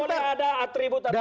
kalau tidak ada atribut